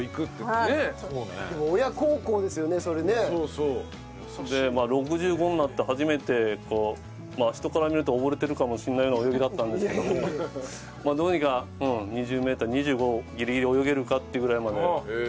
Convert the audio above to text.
でまあ６５になって初めてこうまあ人から見ると溺れてるかもしれないような泳ぎだったんですけどもまあどうにか２０メーター２５ギリギリ泳げるかっていうぐらいまでなって。